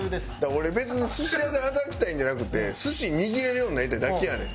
俺別に寿司屋で働きたいんじゃなくて寿司握れるようになりたいだけやねん。